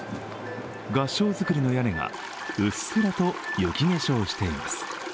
合掌造りの屋根がうっすらと雪化粧をしています。